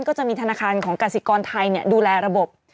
ก็จะมีธนาคารของกสิกรไทยดูแลระบบ